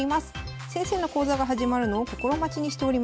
先生の講座が始まるのを心待ちにしておりました。